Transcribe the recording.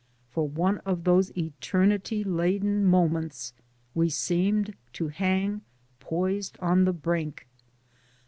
For one of those eternity laden moments we seemed to hang poised on the brink.